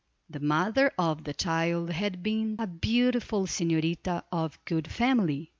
The mother of the child had been a beautiful señorita of good family.